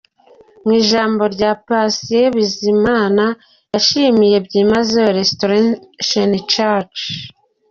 Mu ijambo rye Patient Bizimana yashimiye byimazeyo Restoration church.